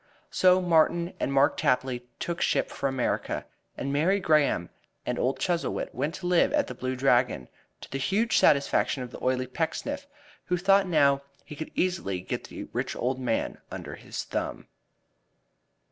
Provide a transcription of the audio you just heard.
So Martin and Mark Tapley took ship for America, and Mary Graham and old Chuzzlewit went to live at The Blue Dragon, to the huge satisfaction of the oily Pecksniff, who thought now he could easily get the rich old man under his thumb.